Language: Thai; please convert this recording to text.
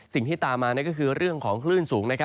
สิ่งที่ตามมาก็คือเรื่องของคลื่นสูง